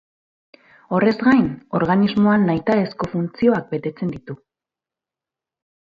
Horrez gain, organismoan nahitaezko funtzioak betetzen ditu.